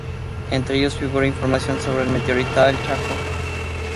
Entre ellos figura información sobre el meteorito El Chaco.